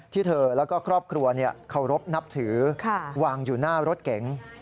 ที่เธอแล้วก็ครอบครัวเคารพนับถือวางอยู่หน้ารถเก๋ง